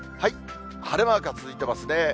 晴れマークが続いてますね。